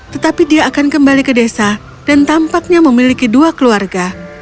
tetapi dia akan kembali ke desa dan tampaknya memiliki dua keluarga